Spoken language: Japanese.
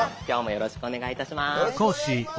よろしくお願いします！